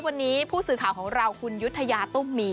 วันนี้ผู้สื่อข่าวของเราคุณยุธยาตุ้มมี